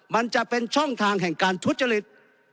มันจะเป็นช่องทางแห่งการทุจริต